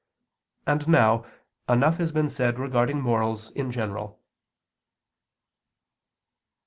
And now enough has been said regarding morals in general.